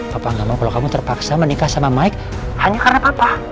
papa gak mau kalau kamu terpaksa menikah sama mike hanya karena apa